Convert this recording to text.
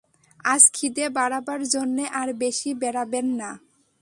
আজ খিদে বাড়াবার জন্যে আর বেশি বেড়াবেন না।